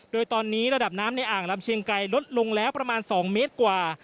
โดยตอนนี้ระดับน้ำในอ่างลำเชียงไกรลดลงแล้วประมาณ๒เมตรกว่า